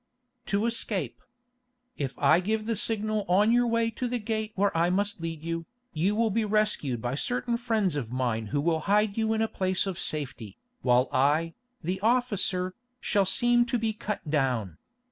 "To escape. If I give the signal on your way to the gate where I must lead you, you will be rescued by certain friends of mine who will hide you in a place of safety, while I, the officer, shall seem to be cut down.